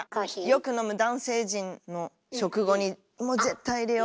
よく飲む男性陣の食後に絶対いれよう。